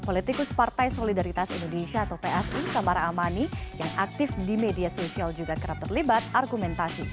politikus partai solidaritas indonesia atau psi samara amani yang aktif di media sosial juga kerap terlibat argumentasi